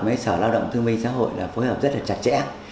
với sở lao động thương minh xã hội là phối hợp rất là chặt chẽ